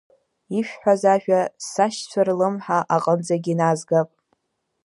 Ишәҳәаз ажәа сашьцәа рлымҳа аҟынӡагьы иназгап.